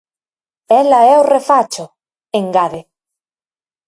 Ela é o refacho, engade.